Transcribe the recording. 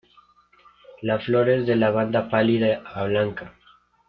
La flor es de lavanda pálida a blanca.